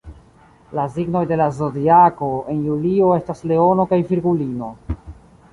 La signoj de la Zodiako en julio estas Leono kaj Virgulino.